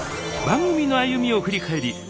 番組の歩みを振り返り